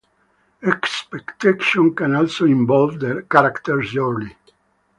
Expectation can also involve the character's journey.